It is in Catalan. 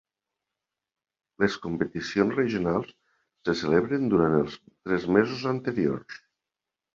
Les competicions regionals se celebren durant els tres mesos anteriors.